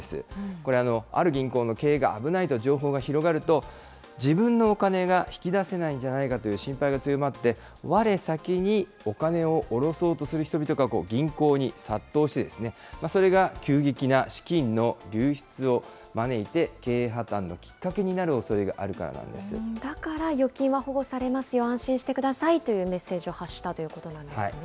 これ、ある銀行の経営が危ないと情報が広がると、自分のお金が引き出せないんじゃないかという心配が強まって、われ先にお金を下ろそうとする人々が銀行に殺到して、それが急激な資金の流出を招いて、経営破綻のきっかけになるおそれがあるかだから預金は保護されますよ、安心してくださいというメッセージを発したということなんですね。